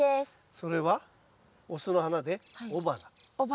それは雄の花で雄花。